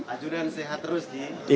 ajudan sehat terus ji